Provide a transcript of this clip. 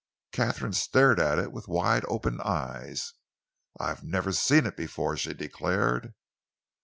Katharine stared at it with wide open eyes. "I have never seen it before," she declared.